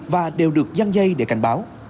và đều được gian dây để cảnh báo